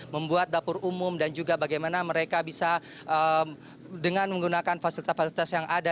membuat dapur umum dan juga bagaimana mereka bisa dengan menggunakan fasilitas fasilitas yang ada